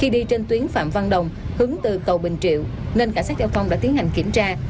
khi đi trên tuyến phạm văn đồng hướng từ cầu bình triệu nên cảnh sát giao thông đã tiến hành kiểm tra